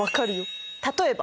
例えば！